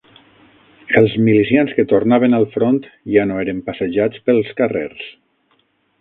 Els milicians que tornaven al front ja no eren passejats pels carrers